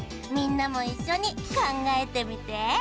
みんなもいっしょにかんがえてみて。